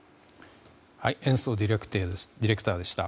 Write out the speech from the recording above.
延増ディレクターでした。